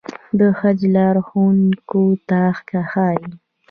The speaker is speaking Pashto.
د حج لارښوونکو ته ښايي.